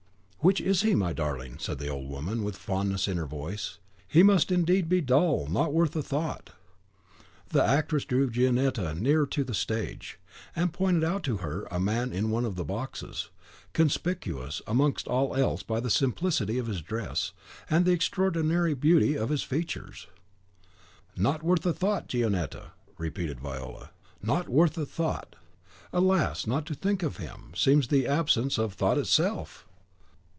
"Which is he, my darling?" said the old woman, with fondness in her voice. "He must indeed be dull not worth a thought." The actress drew Gionetta nearer to the stage, and pointed out to her a man in one of the boxes, conspicuous amongst all else by the simplicity of his dress, and the extraordinary beauty of his features. "Not worth a thought, Gionetta!" repeated Viola, "Not worth a thought! Alas, not to think of him, seems the absence of thought itself!"